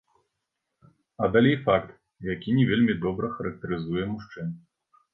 А далей факт, які не вельмі добра характарызуе мужчын.